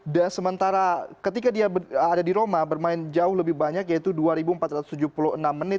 dan sementara ketika dia ada di roma bermain jauh lebih banyak yaitu dua empat ratus tujuh puluh enam menit